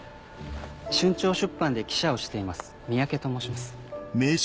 春蔦出版で記者をしています三宅と申します。